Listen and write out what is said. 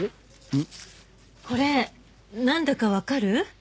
これなんだかわかる？